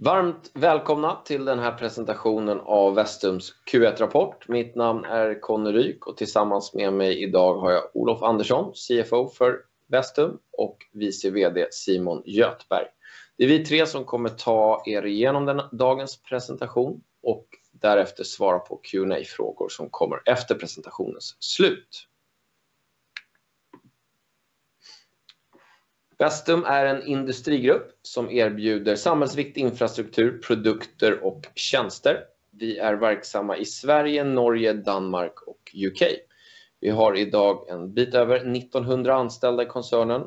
Varmt välkomna till den här presentationen av Vestum's Q1-rapport. Mitt namn är Conny Ryk och tillsammans med mig i dag har jag Olof Andersson, CFO för Vestum och Vice VD Simon Göthberg. Det är vi tre som kommer ta er igenom den, dagens presentation och därefter svara på Q&A-frågor som kommer efter presentationens slut. Vestum är en industrigrupp som erbjuder samhällsviktig infrastruktur, produkter och tjänster. Vi är verksamma i Sverige, Norge, Danmark och UK. Vi har i dag en bit över 1,900 anställda i koncernen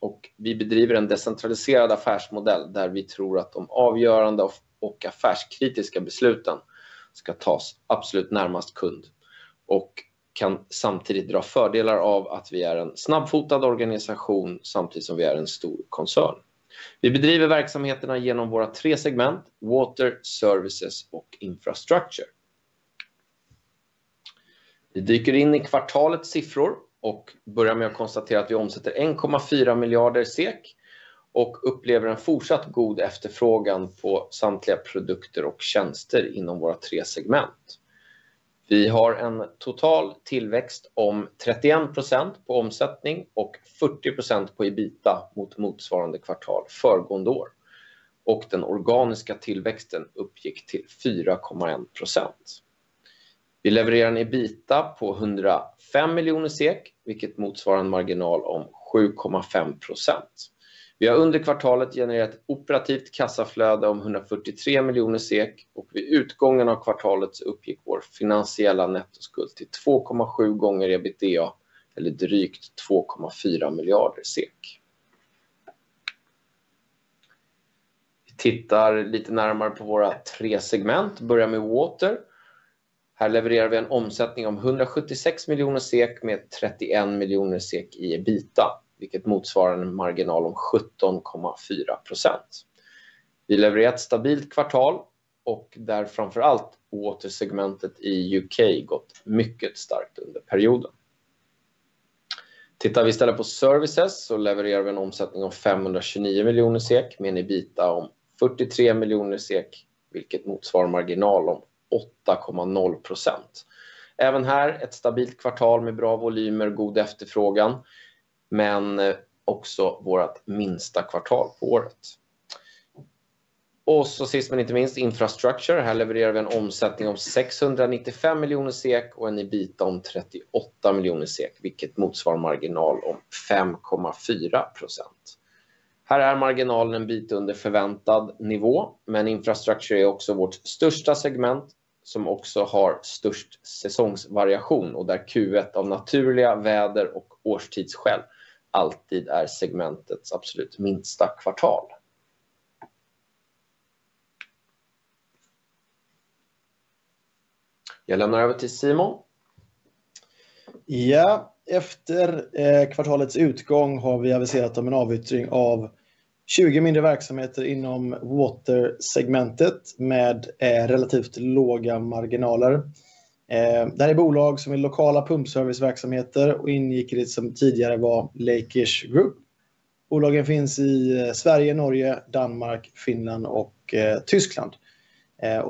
och vi bedriver en decentraliserad affärsmodell där vi tror att de avgörande och affärskritiska besluten ska tas absolut närmast kund och kan samtidigt dra fördelar av att vi är en snabbfotad organisation samtidigt som vi är en stor koncern. Vi bedriver verksamheterna igenom våra tre segment, Water, Services och Infrastructure. Vi dyker in i kvartalets siffror och börjar med att konstatera att vi omsätter SEK 1.4 billion och upplever en fortsatt god efterfrågan på samtliga produkter och tjänster inom våra tre segment. Vi har en total tillväxt om 31% på omsättning och 40% på EBITDA mot motsvarande kvartal föregående år. Den organiska tillväxten uppgick till 4.1%. Vi levererar en EBITDA på SEK 105 million, vilket motsvarar en marginal om 7.5%. Vi har under kvartalet genererat operativt kassaflöde om SEK 143 million och vid utgången av kvartalet uppgick vår finansiella nettoskuld till 2.7x EBITDA eller drygt SEK 2.4 billion. Vi tittar lite närmare på våra tre segment. Börjar med Water. Här levererar vi en omsättning om SEK 176 million med SEK 31 million i EBITDA, vilket motsvarar en marginal om 17.4%. Vi levererar ett stabilt kvartal och där framför allt Water segment i U.K. gått mycket starkt under perioden. Tittar vi istället på Services så levererar vi en omsättning om SEK 529 million med en EBITDA om SEK 43 million, vilket motsvarar marginal om 8.0%. Även här ett stabilt kvartal med bra volymer, god efterfrågan, men också vårt minsta kvartal på året. Sist men inte minst, Infrastructure. Här levererar vi en omsättning om SEK 695 million och en EBITDA om SEK 38 million, vilket motsvarar marginal om 5.4%. Här är marginalen en bit under förväntad nivå, men Infrastructure är också vårt största segment som också har störst säsongsvariation och där Q1 av naturliga väder- och årstidsskäl alltid är segmentets absolut minsta kvartal. Jag lämnar över till Simon. Efter kvartalets utgång har vi aviserat om en avyttring av 20 mindre verksamheter inom Water-segmentet med relativt låga marginaler. Det här är bolag som är lokala pumpserviceverksamheter och ingick i det som tidigare var Lakers Group. Bolagen finns i Sverige, Norge, Danmark, Finland och Tyskland.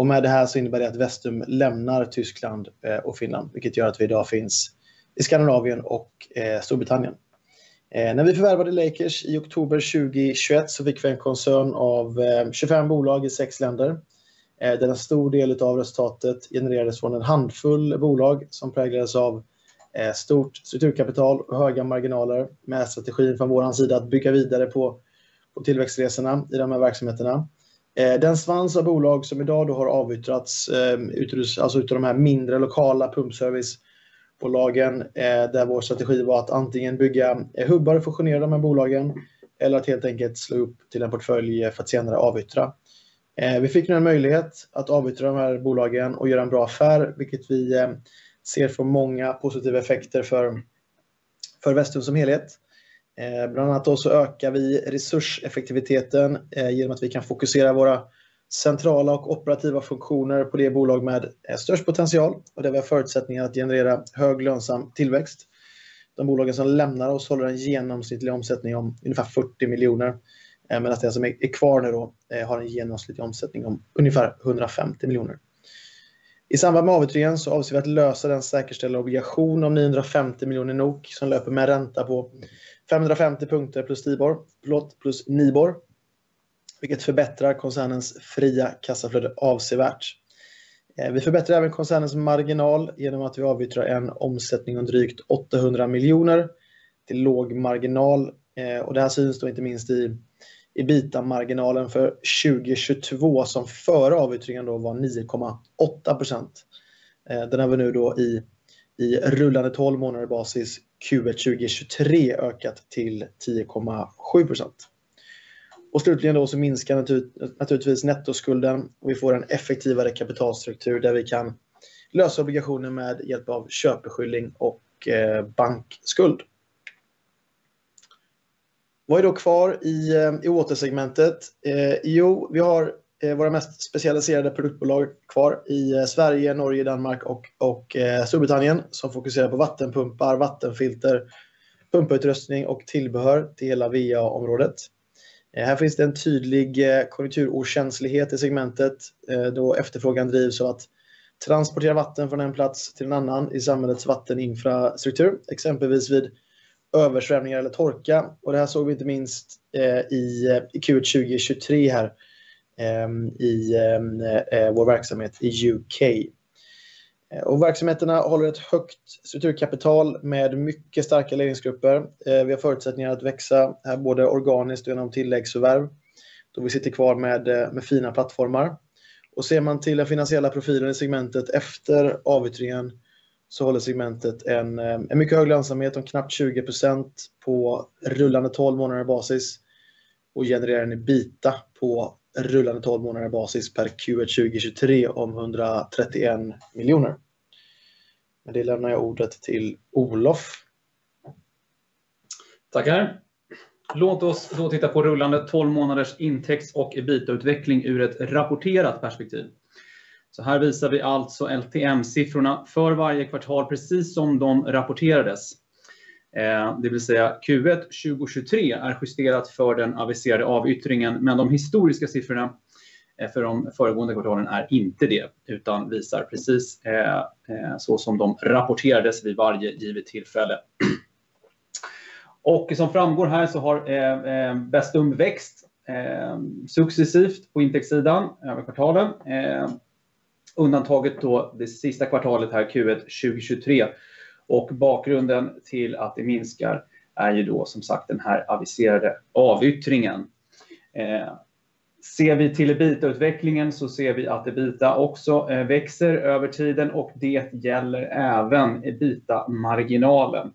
Med det här så innebär det att Vestum lämnar Tyskland och Finland, vilket gör att vi i dag finns i Skandinavien och Storbritannien. När vi förvärvade Lakers i oktober 2021 så fick vi en koncern av 25 bolag i sex länder. Där en stor del utav resultatet genererades från en handfull bolag som präglades av stort strukturkapital och höga marginaler med strategin från vår sida att bygga vidare på tillväxtresorna i de här verksamheterna. Den svans av bolag som i dag då har avyttrats, alltså utav de här mindre lokala pumpservicebolagen, där vår strategi var att antingen bygga hubbar och fusionera de här bolagen eller att helt enkelt slå ihop till en portfölj för att senare avyttra. Vi fick nu en möjlighet att avyttra de här bolagen och göra en bra affär, vilket vi ser får många positiva effekter för Vestum som helhet. Bland annat då ökar vi resurseffektiviteten igenom att vi kan fokusera våra centrala och operativa funktioner på de bolag med störst potential och där vi har förutsättningar att generera hög lönsam tillväxt. De bolagen som lämnar oss håller en genomsnittlig omsättning om ungefär SEK 40 million. Medan de som är kvar nu då har en genomsnittlig omsättning om ungefär SEK 150 million. I samband med avyttringen avser vi att lösa den säkerställda obligationen om NOK 950 million som löper med ränta på 550 punkter plus Tibor, plus Nibor, vilket förbättrar koncernens fria kassaflöde avsevärt. Vi förbättrar även koncernens marginal genom att vi avyttrar en omsättning under drygt SEK 800 million till låg marginal. Det här syns då inte minst i EBITDA-marginalen för 2022 som före avyttringen då var 9.8%. Den har vi nu då i rullande tolv månader basis Q1 2023 ökat till 10.7%. Slutligen då minskar naturligtvis nettoskulden och vi får en effektivare kapitalstruktur där vi kan lösa obligationen med hjälp av köpeskyldig och bankskuld. Vad är då kvar i Water-segmentet? Jo, vi har våra mest specialiserade produktbolag kvar i Sverige, Norge, Danmark och Storbritannien som fokuserar på vattenpumpar, vattenfilter, pumputrustning och tillbehör till hela VA-området. Här finns det en tydlig konjunkturokänslighet i segmentet, då efterfrågan drivs av att transportera vatten från en plats till en annan i samhällets vatteninfrastruktur, exempelvis vid översvämningar eller torka. Det här såg vi inte minst i Q1 2023 här i vår verksamhet i U.K. Verksamheterna håller ett högt strukturkapital med mycket starka ledningsgrupper. Vi har förutsättningar att växa här både organiskt och genom tilläggsförvärv. Då vi sitter kvar med fina plattformar. Ser man till den finansiella profilen i segmentet efter avyttringen så håller segmentet en mycket hög lönsamhet om knappt 20% på rullande 12 månader basis och genererar en EBITDA på rullande 12 månader basis per Q1 2023 om SEK 131 million. Med det lämnar jag ordet till Olof. Tackar. Låt oss då titta på rullande 12 månaders intäkts- och EBITDA-utveckling ur ett rapporterat perspektiv. Här visar vi alltså LTM-siffrorna för varje kvartal, precis som de rapporterades. Det vill säga Q1 2023 är justerat för den aviserade avyttringen, men de historiska siffrorna för de föregående kvartalen är inte det, utan visar precis så som de rapporterades vid varje givet tillfälle. Som framgår här så har Vestum växt successivt på intäktssidan över kvartalen. Undantaget då det sista kvartalet här Q1 2023. Bakgrunden till att det minskar är ju då som sagt, den här aviserade avyttringen. Ser vi till EBITDA-utvecklingen så ser vi att EBITDA också växer över tiden och det gäller även EBITDA-marginalen.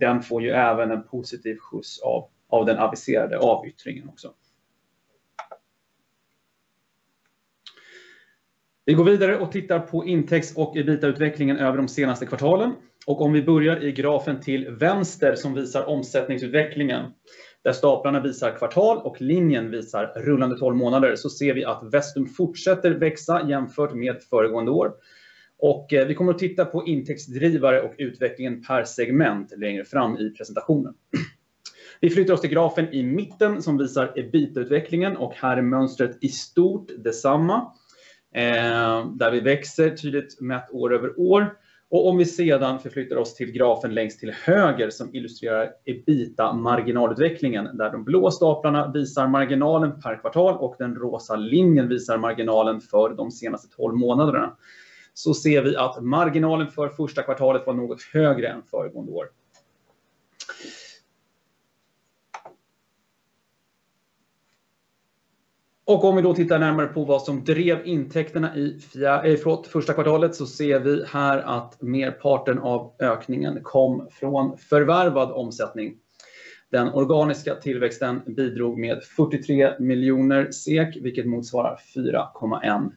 Den får ju även en positiv skjuts av den aviserade avyttringen också. Vi går vidare och tittar på intäkts- och EBITDA-utvecklingen över de senaste kvartalen. Om vi börjar i grafen till vänster som visar omsättningsutvecklingen, där staplarna visar kvartal och linjen visar rullande 12 månader, så ser vi att Vestum fortsätter växa jämfört med föregående år. Vi kommer att titta på intäktsdrivare och utvecklingen per segment längre fram i presentationen. Vi flyttar oss till grafen i mitten som visar EBITDA-utvecklingen och här är mönstret i stort detsamma. Där vi växer tydligt mätt år över år. Om vi sedan förflyttar oss till grafen längst till höger som illustrerar EBITDA-marginalutvecklingen, där de blå staplarna visar marginalen per kvartal och den rosa linjen visar marginalen för de senaste 12 månaderna, så ser vi att marginalen för första kvartalet var något högre än föregående år. Om vi då tittar närmare på vad som drev intäkterna i första kvartalet, så ser vi här att merparten av ökningen kom från förvärvad omsättning. Den organiska tillväxten bidrog med SEK 43 million, vilket motsvarar 4.1%.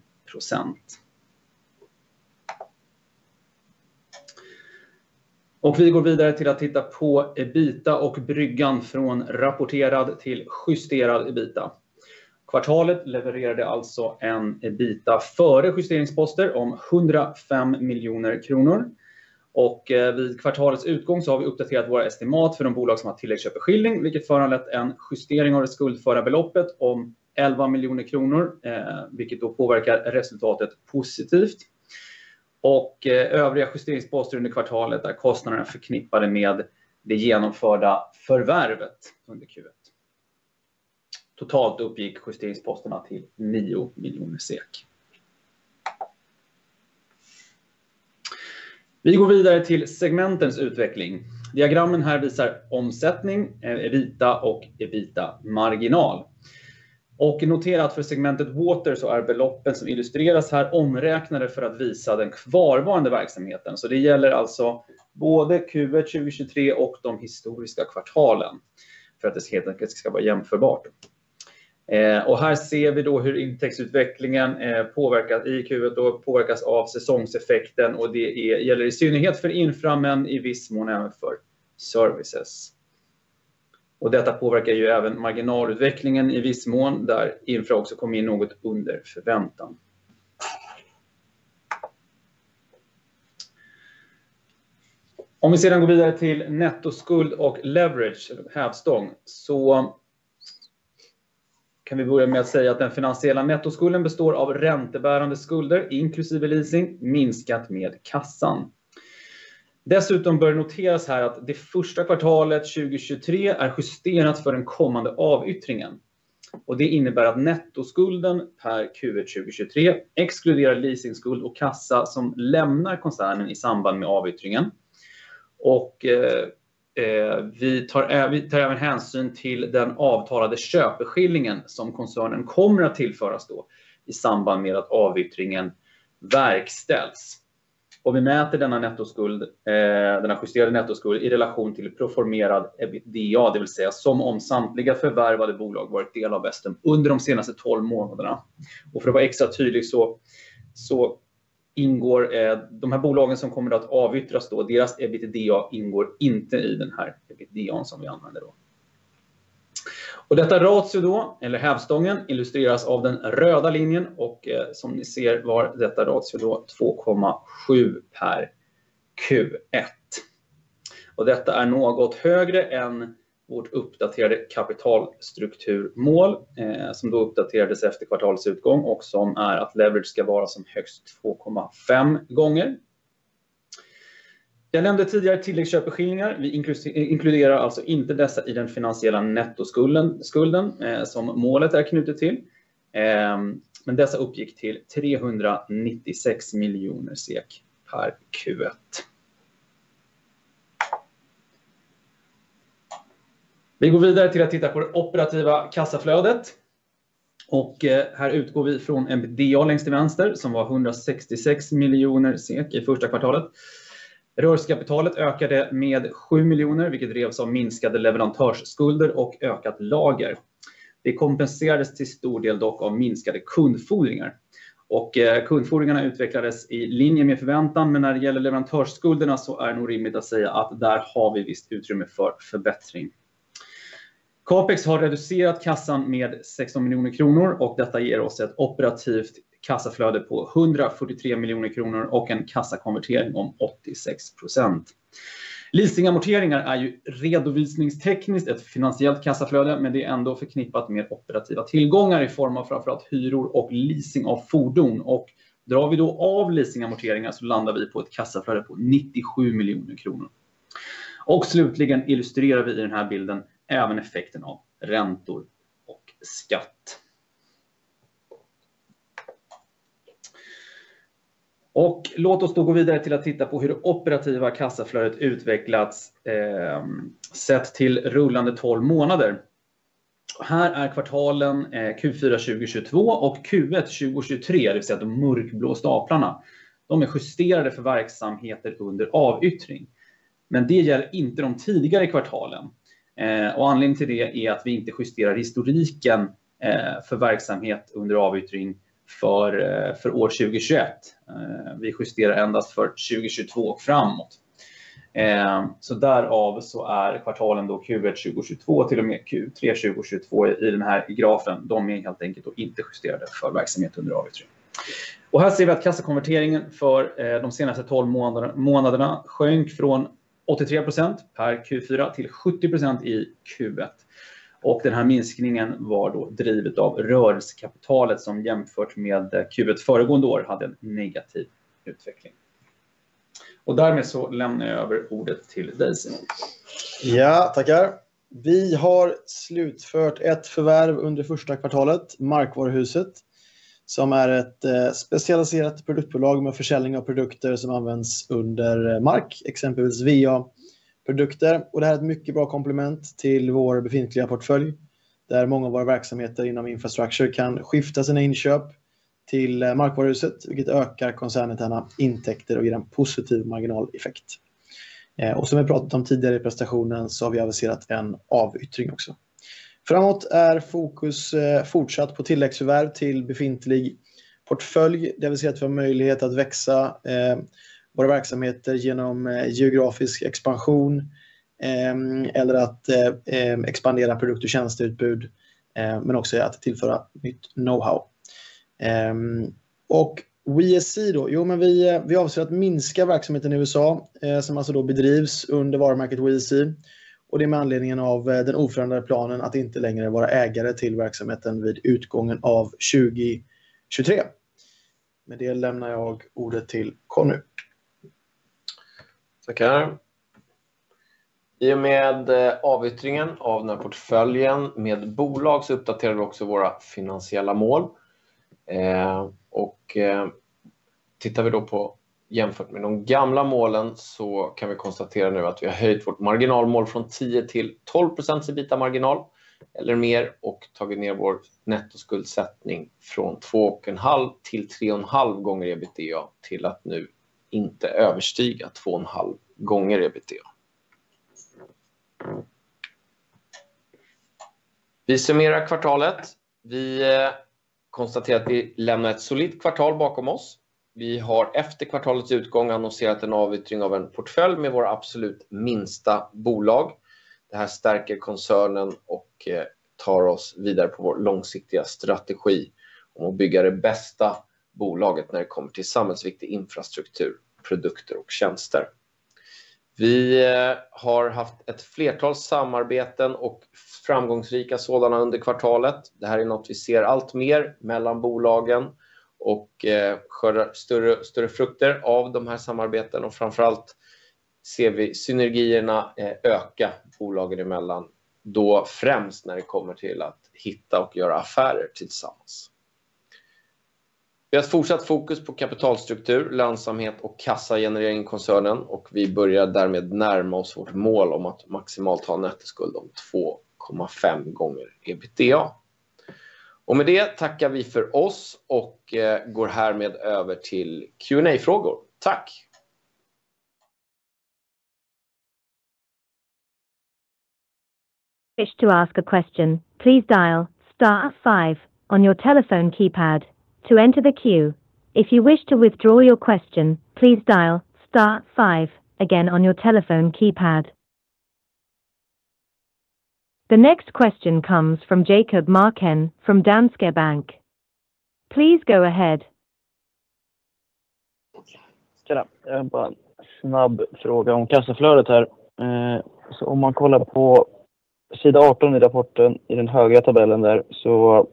Vi går vidare till att titta på EBITDA och bryggan från rapporterad till justerad EBITDA. Kvartalet levererade alltså en EBITDA före justeringsposter om SEK 105 million. Vid kvartalets utgång så har vi uppdaterat våra estimat för de bolag som har tilläggsköpeskilling, vilket föranlett en justering av det skuldföra beloppet om SEK 11 million, vilket då påverkar resultatet positivt. Övriga justeringsposter under kvartalet är kostnaderna förknippade med det genomförda förvärvet under Q1. Totalt uppgick justeringsposterna till SEK 9 million. Vi går vidare till segmentens utveckling. Diagrammen här visar omsättning, EBITDA och EBITDA-marginal. Notera att för segmentet Waters så är beloppen som illustreras här omräknade för att visa den kvarvarande verksamheten. Det gäller alltså både Q1 2023 och de historiska kvartalen för att det helt enkelt ska vara jämförbart. Här ser vi då hur intäktsutvecklingen påverkat i Q1 då påverkas av säsongseffekten och det gäller i synnerhet för Infra men i viss mån även för Services. Detta påverkar ju även marginalutvecklingen i viss mån, där Infra också kom in något under förväntan. Om vi sedan går vidare till nettoskuld och leverage, eller hävstång, så kan vi börja med att säga att den finansiella nettoskulden består av räntebärande skulder, inklusive leasing, minskat med kassan. Dessutom bör det noteras här att det första kvartalet 2023 är justerat för den kommande avyttringen. Det innebär att nettoskulden per Q1 2023 exkluderar leasingskuld och kassa som lämnar koncernen i samband med avyttringen. Vi tar även hänsyn till den avtalade köpeskillingen som koncernen kommer att tillföras då i samband med att avyttringen verkställs. Vi mäter denna nettoskuld, denna justerade nettoskuld i relation till proformerad EBITDA, det vill säga som om samtliga förvärvade bolag varit del av Vestum under de senaste 12 månaderna. För att vara extra tydlig så ingår de här bolagen som kommer att avyttras då, deras EBITDA ingår inte i den här EBITDA:n som vi använder då. Detta ratio då, eller hävstången, illustreras av den röda linjen och som ni ser var detta ratio då 2.7 per Q1. Detta är något högre än vårt uppdaterade kapitalstrukturmål, som då uppdaterades efter kvartalets utgång och som är att leverage ska vara som högst 2.5 gånger. Jag nämnde tidigare tilläggsköpeskillingar. Vi inkluderar alltså inte dessa i den finansiella nettoskulden, som målet är knutet till. Men dessa uppgick till SEK 396 million per Q1. Vi går vidare till att titta på det operativa kassaflödet. Här utgår vi från en DA längst till vänster som var SEK 166 million i första kvartalet. Rörelsekapitalet ökade med SEK 7 million, vilket drevs av minskade leverantörsskulder och ökat lager. Det kompenserades till stor del dock av minskade kundfordringar. Kundfordringarna utvecklades i linje med förväntan. När det gäller leverantörsskulderna så är det nog rimligt att säga att där har vi visst utrymme för förbättring. Capex har reducerat kassan med SEK 16 million och detta ger oss ett operativt kassaflöde på SEK 143 million och en kassakonvertering om 86%. Leasingamorteringar är ju redovisningstekniskt ett finansiellt kassaflöde, men det är ändå förknippat med operativa tillgångar i form av framför allt hyror och leasing av fordon. Drar vi då av leasingamorteringar så landar vi på ett kassaflöde på SEK 97 million. Slutligen illustrerar vi i den här bilden även effekten av räntor och skatt. Låt oss då gå vidare till att titta på hur det operativa kassaflödet utvecklats, sett till rullande 12 månader. Här är kvartalen Q4 2022 och Q1 2023, det vill säga de mörkblå staplarna. De är justerade för verksamheter under avyttring, det gäller inte de tidigare kvartalen. Anledningen till det är att vi inte justerar historiken för verksamhet under avyttring för år 2021. Vi justerar endast för 2022 och framåt. Därav så är kvartalen då Q1 2022 till och med Q3 2022 i den här grafen. De är helt enkelt då inte justerade för verksamhet under avyttring. Här ser vi att kassakonverteringen för de senaste 12 månaderna sjönk från 83% per Q4 till 70% i Q1. Den här minskningen var då drivet av rörelsekapitalet som jämfört med Q1 föregående år hade en negativ utveckling. Därmed så lämnar jag över ordet till dig, Simon. Ja, tackar. Vi har slutfört ett förvärv under första kvartalet, Markvaruhuset, som är ett specialiserat produktbolag med försäljning av produkter som används under mark, exempelvis VA-produkter. Det här är ett mycket bra komplement till vår befintliga portfölj, där många av våra verksamheter inom Infrastructure kan skifta sina inköp till Markvaruhuset, vilket ökar koncernens intäkter och ger en positiv marginaleffekt. Som vi pratat om tidigare i presentationen så har vi aviserat en avyttring också. Framåt är fokus fortsatt på tilläggsförvärv till befintlig portfölj, det vill säga att vi har möjlighet att växa våra verksamheter genom geografisk expansion eller att expandera produkt- och tjänsteutbud, men också att tillföra nytt know-how. WeSC då? Jo, men vi avser att minska verksamheten i USA, som alltså då bedrivs under varumärket WeSC. Det är med anledningen av den oförändrade planen att inte längre vara ägare till verksamheten vid utgången av 2023. Med det lämnar jag ordet till Conny. Tackar. I och med avyttringen av den här portföljen med bolag så uppdaterar vi också våra finansiella mål. Tittar vi då på jämfört med de gamla målen så kan vi konstatera nu att vi har höjt vårt marginalmål från 10%-12% EBITA-marginal eller mer och tagit ner vår nettoskuldsättning från 2.5x-3.5x EBITDA till att nu inte överstiga 2.5x EBITDA. Vi summerar kvartalet. Vi konstaterar att vi lämnar ett solitt kvartal bakom oss. Vi har efter kvartalets utgång annonserat en avyttring av en portfölj med våra absolut minsta bolag. Det här stärker koncernen och tar oss vidare på vår långsiktiga strategi om att bygga det bästa bolaget när det kommer till samhällsviktig infrastruktur, produkter och tjänster. Vi har haft ett flertal samarbeten och framgångsrika sådana under kvartalet. Det här är något vi ser alltmer mellan bolagen och skördar större frukter av de här samarbetena. Framför allt ser vi synergierna öka bolagen emellan. Då främst när det kommer till att hitta och göra affärer tillsammans. Vi har ett fortsatt fokus på kapitalstruktur, lönsamhet och kassagenerering i koncernen och vi börjar därmed närma oss vårt mål om att maximalt ha en nettoskuld om 2.5x EBITDA. Med det tackar vi för oss och går härmed över till Q&A-frågor. Tack! If you wish to ask a question, please dial star five on your telephone keypad to enter the queue. If you wish to withdraw your question, please dial star five again on your telephone keypad. The next question comes from Jacob Mark from Danske Bank. Please go ahead. Tjena, jag har bara en snabb fråga om kassaflödet här. Om man kollar på sida 18 i rapporten i den högra tabellen där så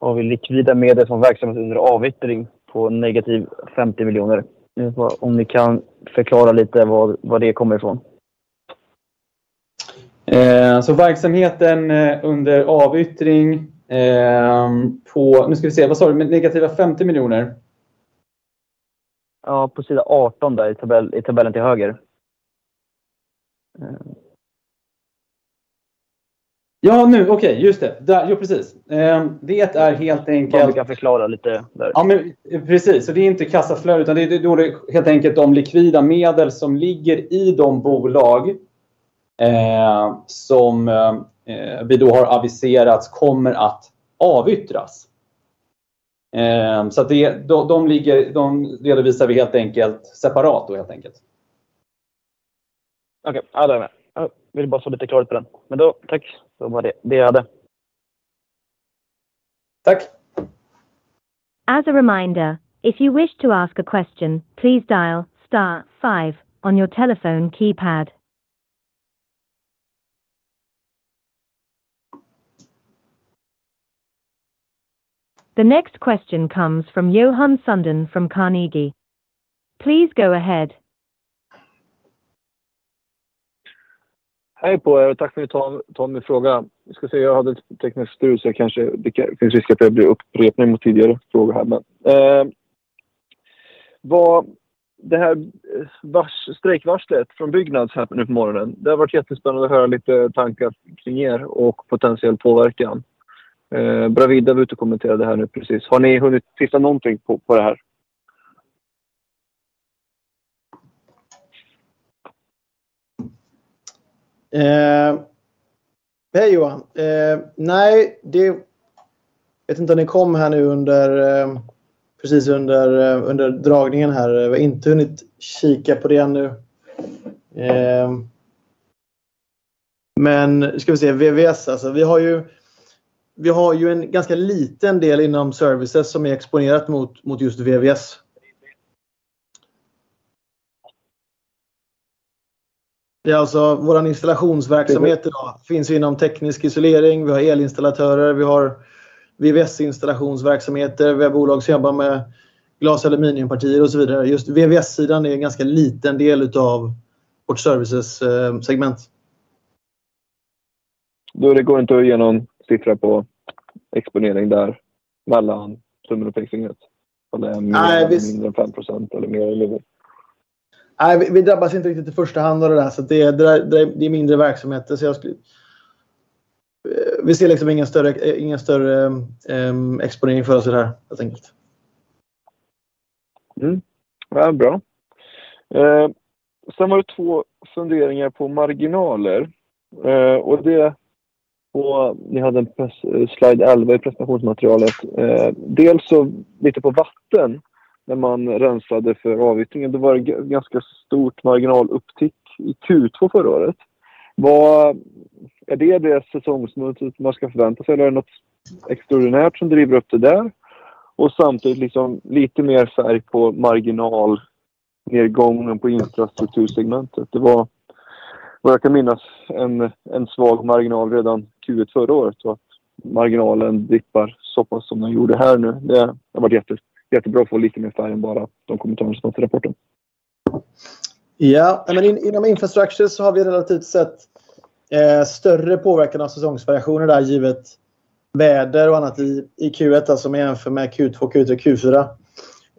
har vi likvida medel från verksamhet under avyttring på negativ SEK 50 million. Jag undrar bara om ni kan förklara lite var det kommer ifrån? Verksamheten under avyttring, Vad sa du? negative SEK 50 million? Ja, på sida 18 där i tabell, i tabellen till höger. Ja nu, okej, just det. Där, jo precis. Om du kan förklara lite där. Ja men precis, det är inte kassaflöde, utan det då helt enkelt de likvida medel som ligger i de bolag, som vi då har aviserat kommer att avyttras. De ligger, de redovisar vi helt enkelt separat då helt enkelt. Okay, ja då är jag med. Ville bara få lite klarhet på den. Då tack, så var det jag hade. Tack! As a reminder, if you wish to ask a question, please dial star 5 on your telephone keypad. The next question comes from Johan Sundin from Carnegie. Please go ahead. Hej på er. Tack för att ni tar min fråga. Vi ska se, jag hade ett tekniskt strul, det kanske riskerar att bli upprepning mot tidigare frågor här. Var det här strejkvarslet från Byggnads här nu på morgonen. Det hade varit jättespännande att höra lite tankar kring er och potentiell påverkan. Bravida var ute och kommenterade det här nu precis. Har ni hunnit titta någonting på det här? Hej Johan. Nej, vet inte om det kom här nu precis under dragningen här. Vi har inte hunnit kika på det ännu. Ska vi se VVS alltså. Vi har ju en ganska liten del inom Services som är exponerat mot just VVS. Det är alltså vår installationsverksamhet då. Finns inom teknisk isolering, vi har elinstallatörer, vi har VVS-installationsverksamheter, vi har bolag som jobbar med glas- och aluminiumpartier och så vidare. Just VVS-sidan är en ganska liten del utav vårt Services, segment. Då det går inte att ge någon siffra på exponering där mellan tummen och pekfingret? är det mindre än 5% eller mer eller? Vi drabbas inte riktigt i första hand av det där. Det är mindre verksamheter. Vi ser liksom ingen större, ingen större exponering för oss i det här helt enkelt. Nej, bra. Sen var det 2 funderingar på marginaler. Ni hade slide 11 i presentationsmaterialet. Dels så lite på Water när man rensade för avyttringen. Då var det ganska stort marginalupptick i Q2 förra året. Är det det säsongsvärdet man ska förvänta sig? Eller är det något extraordinärt som driver upp det där? Samtidigt liksom lite mer färg på marginalnedgången på Infrastructure-segmentet. Det var, vad jag kan minnas, en svag marginal redan Q1 förra året. Att marginalen dippar så pass som den gjorde här nu. Det hade varit jätte, jättebra att få lite mer färg än bara de kommentarerna som fanns i rapporten. Ja, inom Infrastructure så har vi relativt sett större påverkan av säsongsvariationer där givet väder och annat i Q1. Alltså om vi jämför med Q2, Q3, Q4.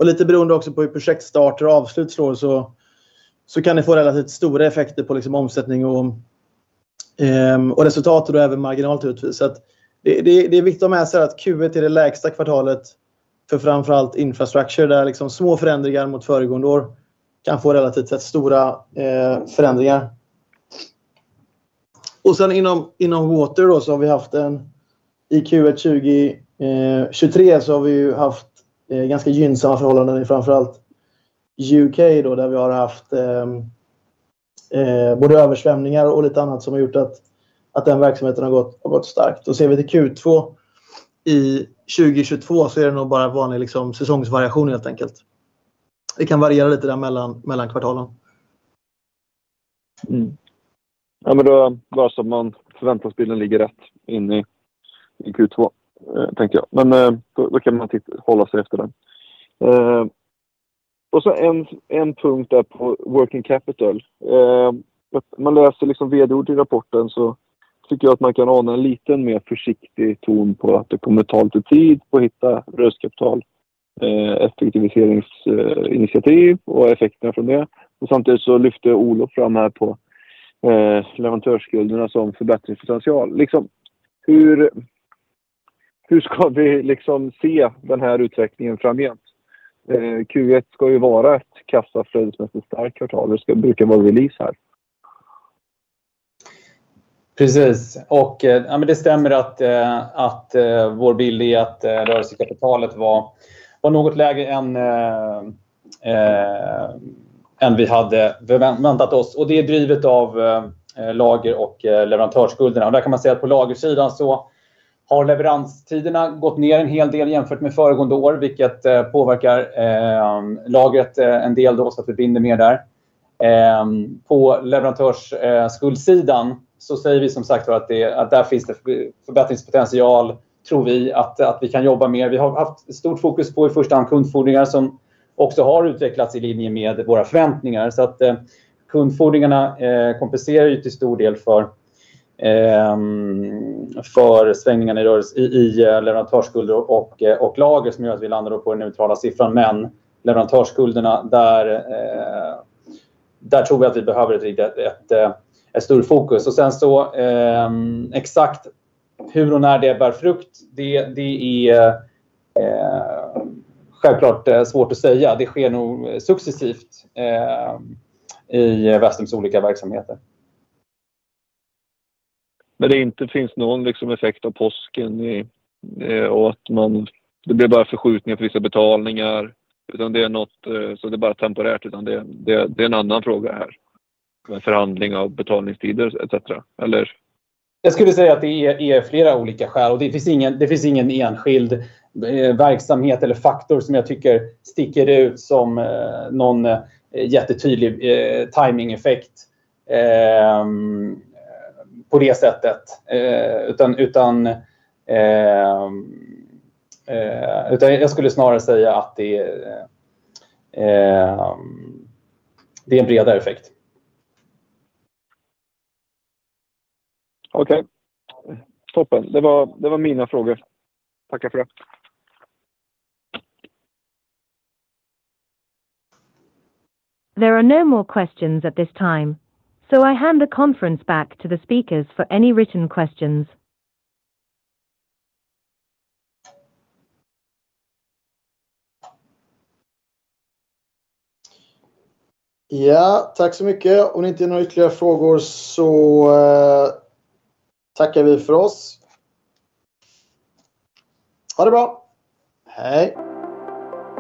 Lite beroende också på hur projektstart och avslut slår så kan det få relativt stora effekter på liksom omsättning och resultat och då även marginal naturligtvis. Det är viktigt att ha med sig här att Q1 är det lägsta kvartalet för framför allt Infrastructure. Där liksom små förändringar mot föregående år kan få relativt sett stora förändringar. Sen inom Water då så har vi haft i Q1 2023 så har vi ju haft ganska gynnsamma förhållanden i framför allt UK då, där vi har haft både översvämningar och lite annat som har gjort att den verksamheten har gått starkt. Ser vi till Q2 i 2022 så är det nog bara vanlig liksom säsongsvariation helt enkelt. Det kan variera lite där mellan kvartalen. Bara så att man förväntansbilden ligger rätt in i Q2, tänker jag. Då kan man hålla sig efter den. En punkt där på working capital. När man läser liksom VD-ord i rapporten så tycker jag att man kan ana en liten mer försiktig ton på att det kommer ta lite tid att hitta rörelsekapital, effektiviseringsinitiativ och effekterna från det. Samtidigt så lyfte Olof fram här på leverantörsskulderna som förbättringspotential. Liksom hur ska vi liksom se den här utvecklingen framgent? Q1 ska ju vara ett kassaflödesmässigt starkt kvartal. Brukar vara release här. Precis. ja, men det stämmer att vår bild är att rörelsekapitalet var något lägre än. Än vi hade väntat oss och det är drivet av lager- och leverantörsskulderna. Där kan man säga att på lagersidan så har leveranstiderna gått ner en hel del jämfört med föregående år, vilket påverkar lagret en del då så att vi binder mer där. På leverantörsskuldssidan så säger vi som sagt var att där finns det förbättringspotential tror vi att vi kan jobba mer. Vi har haft stort fokus på i första hand kundfordringar som också har utvecklats i linje med våra förväntningar. Att kundfordringarna kompenserar ju till stor del för svängningarna i leverantörsskulder och lager som gör att vi landar då på den neutrala siffran. Leverantörsskulderna där tror vi att vi behöver ett riktigt, ett stort fokus. Sen så exakt hur och när det bär frukt, det är självklart svårt att säga. Det sker nog successivt i Vestums olika verksamheter. Det inte finns någon liksom effekt av påsken och att man, det blev bara förskjutning för vissa betalningar. Det är något, så det är bara temporärt. Det är en annan fråga här. Med förhandling av betalningstider et cetera. Eller? Jag skulle säga att det är flera olika skäl och det finns ingen enskild verksamhet eller faktor som jag tycker sticker ut som någon jättetydlig timingeffekt på det sättet. Jag skulle snarare säga att det är en bredare effekt. Okej, toppen. Det var mina frågor. Tackar för det. There are no more questions at this time. I hand the conference back to the speakers for any written questions. Ja, tack så mycket. Om det inte är några ytterligare frågor så tackar vi för oss. Ha det bra. Hej!